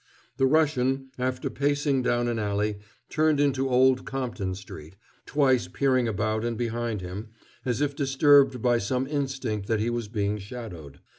The Russian, after pacing down an alley, turned into Old Compton Street, twice peering about and behind him, as if disturbed by some instinct that he was being shadowed.